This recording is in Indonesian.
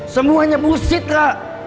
semuanya busit ra